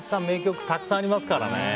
名曲たくさんありますからね。